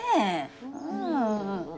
うん。